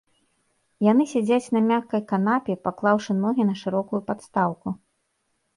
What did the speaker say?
Яны сядзяць на мяккай канапе, паклаўшы ногі на шырокую падстаўку.